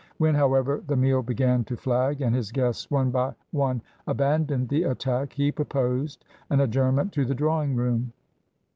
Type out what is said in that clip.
When, however, the meal began to flag, and his guests one by one abandoned the attack, he proposed an adjournment to the drawing room.